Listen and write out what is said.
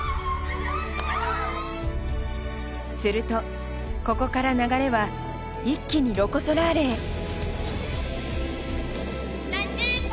すると、ここから流れは一気にロコ・ソラーレへ。